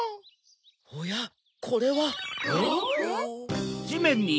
おやこれは？ん？